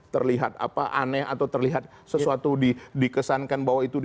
terlihat aneh atau terlihat sesuatu dikesankan bahwa itu